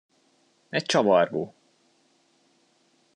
Egy csavargó!